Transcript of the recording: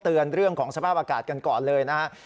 เรื่องของสภาพอากาศกันก่อนเลยนะครับ